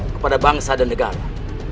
kepada bangsa dan negara